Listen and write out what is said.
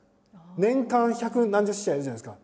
年間百何十試合やるじゃないですか。